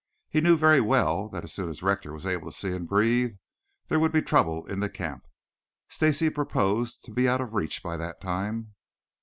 He knew very well that, as soon as Rector was able to see and breathe, there would be trouble in the camp. Stacy proposed to be out of reach by that time.